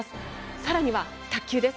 更に、卓球です。